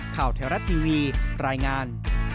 ข่าวไทยรัฐทีวีรายงาน